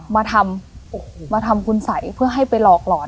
มาทำคุณสัยเพื่อให้ไปหลอกหลอน